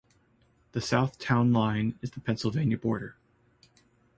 The south town line is the Pennsylvania border.